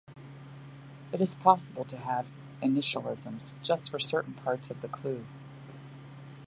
It is possible to have initialisms just for certain parts of the clue.